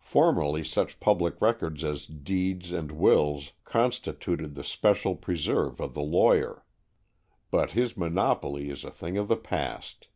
Formerly such public records as deeds and wills constituted the special preserve of the lawyer. But his monopoly is a thing of the past.